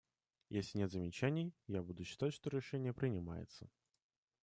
Если нет замечаний, я буду считать, что решение принимается.